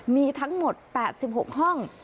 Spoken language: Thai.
มีทั้งหมด๘๖ห้อง